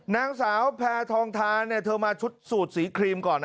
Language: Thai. นางสาวแพทองทานเธอมาชุดสูตรสีครีมก่อนนะ